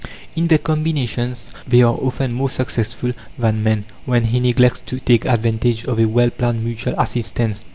In their combinations they are often more successful than man, when he neglects to take advantage of a well planned mutual assistance.